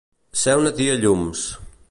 Ser una tia llums.